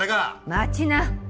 待ちな。